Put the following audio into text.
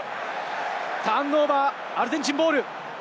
ターンオーバー、アルゼンチンボール。